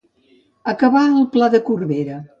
Acabar al Pla de Corbera.